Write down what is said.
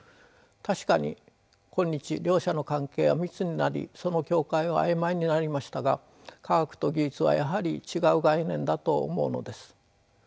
確かに今日両者の関係は密になりその境界は曖昧になりましたが科学と技術はやはり違う概念だと思うのです。